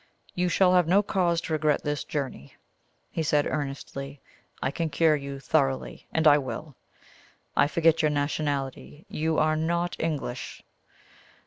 "You shall have no cause to regret this journey," he said earnestly. "I can cure you thoroughly, and I will. I forget your nationality you are not English?"